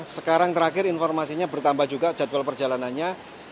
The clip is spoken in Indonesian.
sekarang terakhir informasinya bertambah juga jadwal perjalanannya